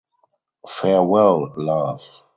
Farewell Love!